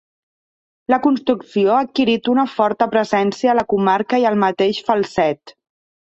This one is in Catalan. La construcció ha adquirit una forta presència a la comarca i al mateix Falset.